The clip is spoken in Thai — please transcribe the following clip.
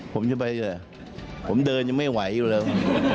ผมจะไปเถอะผมเดินยังไม่ไหวอยู่แล้ว